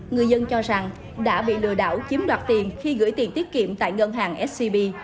người dân cho rằng đã bị lừa đảo chiếm đoạt tiền khi gửi tiền tiết kiệm tại ngân hàng scb